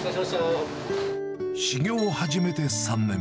修業を始めて３年。